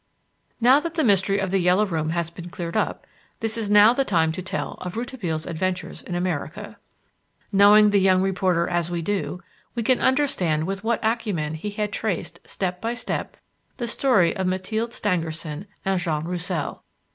Now that the Mystery of "The Yellow Room" has been cleared up, this is not the time to tell of Rouletabille's adventures in America. Knowing the young reporter as we do, we can understand with what acumen he had traced, step by step, the story of Mathilde Stangerson and Jean Roussel.